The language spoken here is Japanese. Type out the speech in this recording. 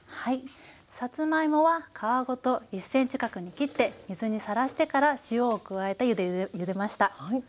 さつまいもは皮ごと１ｃｍ角に切って水にさらしてから塩を加えた湯でゆでました。